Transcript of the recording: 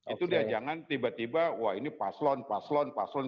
itu dia jangan tiba tiba wah ini paslon paslon paslon